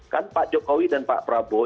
kan pak jokowi dan pak prabowo